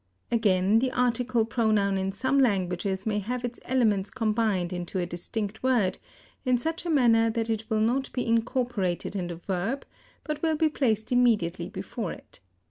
Again, the article pronoun in some languages may have its elements combined into a distinct word in such a manner that it will not be incorporated in the verb, but will be placed immediately before it.